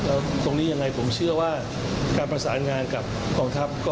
แล้วตรงนี้ยังไงผมเชื่อว่าการประสานงานกับกองทัพ